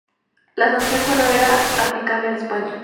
La sanción solo era aplicable en España.